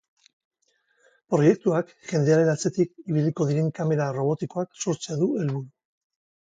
Proiektuak jendearen atzetik ibiliko diren kamera robotikoak sortzea du helburu.